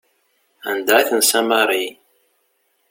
Anda i tensa Mary?